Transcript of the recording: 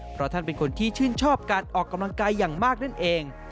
เพราะท่านเป็นคนที่ชื่นชอบการออกกำลังกายอย่างมากนั่นเอง